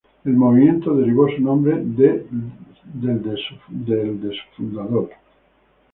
El movimiento derivó su nombre del de su fundador.